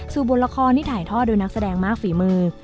บทละครที่ถ่ายทอดโดยนักแสดงมากฝีมือ